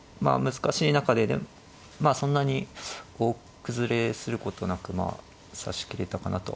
難しい中でまあそんなに大崩れすることなく指しきれたかなと思います。